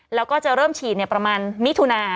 แล้วก็จะเริ่มฉีดประมาณมิถุนา